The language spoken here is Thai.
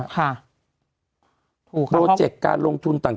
โปรเจคการลงทุนต่าง